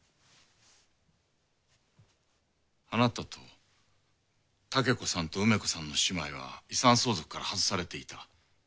あなたと竹子さんと梅子さんの姉妹は遺産相続から外されていた。